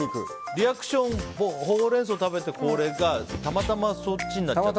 リアクションもホウレンソウを食べてこれがたまたまそっちになっちゃった？